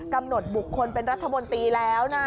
กำหนดบุคคลเป็นรัฐมนตรีแล้วนะ